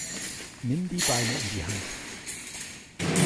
Nimm die Beine in die Hand.